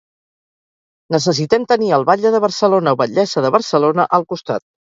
Necessitem tenir el batlle de Barcelona o batllessa de Barcelona al costat.